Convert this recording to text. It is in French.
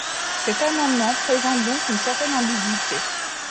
Cet amendement présente donc une certaine ambiguïté.